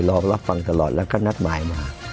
รับฟังตลอดแล้วก็นัดหมายมา